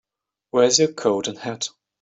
Where's your coat and hat?